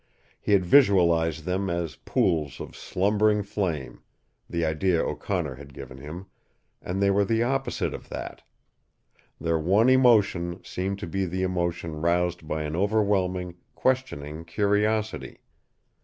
He had visualized them as pools of slumbering flame the idea O'Connor had given him and they were the opposite of that. Their one emotion seemed to be the emotion roused by an overwhelming, questioning curiosity.